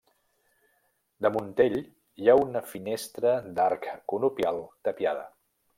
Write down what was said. Damunt ell hi ha una finestra d'arc conopial tapiada.